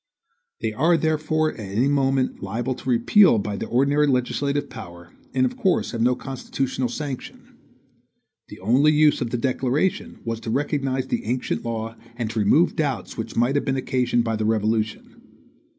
They are therefore at any moment liable to repeal by the ordinary legislative power, and of course have no constitutional sanction. The only use of the declaration was to recognize the ancient law and to remove doubts which might have been occasioned by the Revolution.